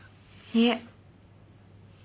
いえ。